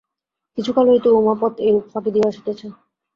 কিছুকাল হইতে উমাপদ এইরূপ ফাঁকি দিয়া আসিতেছে।